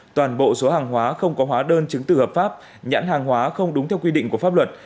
toàn bộ số hàng hóa không có hóa đơn chứng từ hợp pháp nhãn hàng hóa không đúng theo quy định của pháp luật